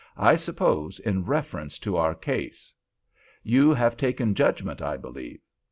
"I suppose in reference to our case. You have taken judgment, I believe."